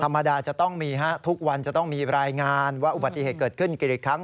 ไม่ต้องมีฮะทุกวันจะต้องมีรายงานว่าอุบัติเหตุเกิดขึ้นกี่ครั้ง